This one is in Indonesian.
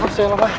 mbak mbak mbak